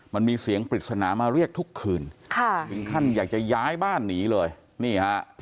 มันมีเสียงปริศนามาเรียกทุกคืนค่ะถึงขั้นอยากจะย้ายบ้านหนีเลยนี่ฮะ